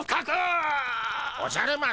おじゃる丸